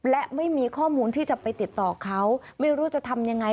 และไม่มีข้อมูลที่จะไปติดต่อเขาไม่รู้จะทำยังไง